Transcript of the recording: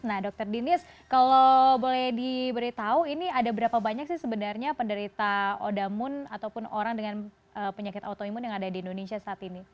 nah dr dinis kalau boleh diberitahu ini ada berapa banyak sih sebenarnya penderita odamun ataupun orang dengan penyakit autoimun yang ada di indonesia saat ini